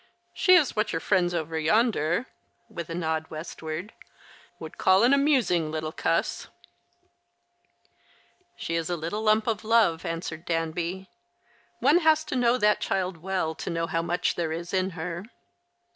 She is what your friends over yonder " (with a nod westward) " would call an amusing little cuss." The Christmas Hirelings. 115 " She is a little lump of love," answered Danby.. " One has to know that child well to know how much there is in her."